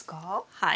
はい。